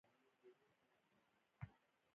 جنګ عواملو یو دی.